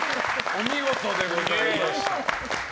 お見事でございました。